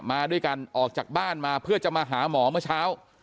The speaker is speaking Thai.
มาด้วยกันออกจากบ้านมาเพื่อจะมาหาหมอเมื่อเช้า